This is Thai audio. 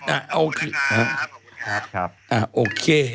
อ่ะโอเคอ่ะโอเค